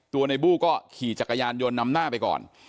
ในบู้ก็ขี่จักรยานยนต์นำหน้าไปก่อน